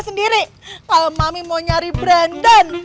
sendiri kalau mami mau nyari brandon